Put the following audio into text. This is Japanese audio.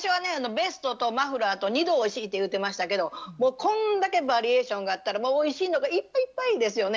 ベストとマフラーと２度おいしいって言うてましたけどこんだけバリエーションがあったらおいしいのがいっぱいいっぱいですよね。